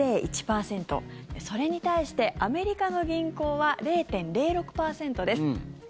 それに対して、アメリカの銀行は０．０６％です。